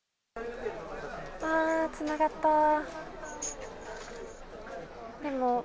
ああ、つながった。